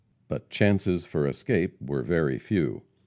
But chances for escape were very few.